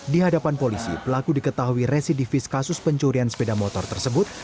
di hadapan polisi pelaku diketahui residivis kasus pencurian sepeda motor tersebut